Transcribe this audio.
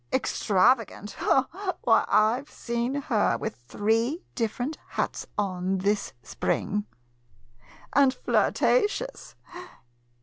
Extrava gant ?— why, I Ve seen her with three differ ent hats on this spring! And flirtatious!